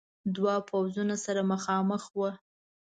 دو پوځونه سره مخامخ ول.